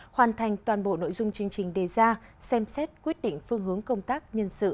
hoàn thành toàn bộ nội dung chương trình đề ra xem xét quyết định phương hướng công tác nhân sự